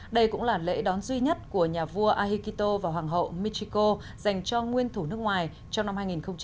đây cũng là lễ đón duy nhất của nhà vua ahikito và hoàng hậu michiko dành cho nguyên thủ nước ngoài trong năm hai nghìn một mươi chín